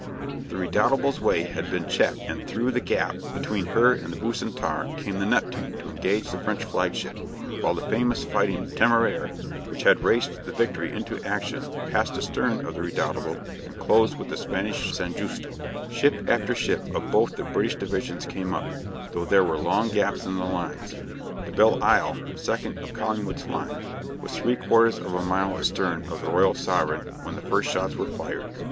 The "Redoutable's" way had been checked, and through the gap between her and the "Bucentaure" came the "Neptune" to engage the French flagship, while the famous "fighting 'Téméraire,'" which had raced the "Victory" into action, passed astern of the "Redoutable" and closed with the Spanish "San Justo." Ship after ship of both the British divisions came up, though there were long gaps in the lines. The "Belleisle," second of Collingwood's line, was three quarters of a mile astern of the "Royal Sovereign" when the first shots were fired.